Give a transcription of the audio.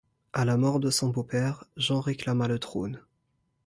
À la mort de son beau-père, Jean réclama le trône.